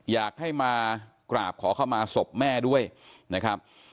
อยากให้มากราบขอเข้ามาศพแม่ด้วยนะครับ